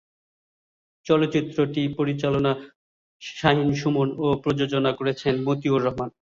চলচ্চিত্রটি পরিচালনা শাহীন-সুমন ও প্রযোজনা করেছেন মতিউর রহমান।